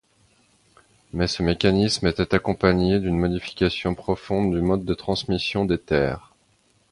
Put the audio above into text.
Mais ce mécanisme était accompagné d'une modification profonde du mode de transmission des terres.